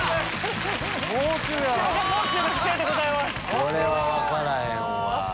これは分からへんわ。